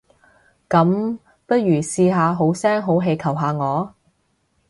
噉，不如試下好聲好氣求下我？